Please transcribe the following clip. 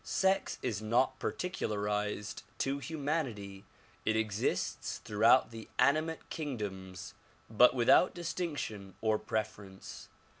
Sex is not particularized to humanity ; it exists throughout the animate kingdoms but without distinction or preference.